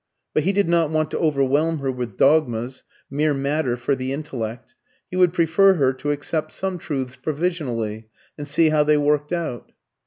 But he did not want to overwhelm her with dogmas mere matter for the intellect he would prefer her to accept some truths provisionally and see how they worked out.